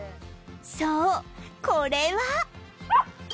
そうこれは